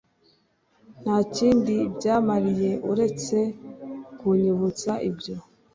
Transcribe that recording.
nta kindi byamariye uretse kunyibutsa ibyo